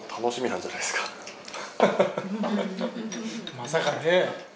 まさかね。